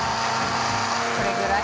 これぐらい？